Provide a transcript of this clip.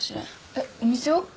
えっお店を？